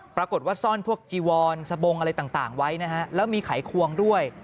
ปรากฏว่าซ่อนพวกจีวอนสบงอะไรต่างไว้นะฮะแล้วมีไขควงด้วย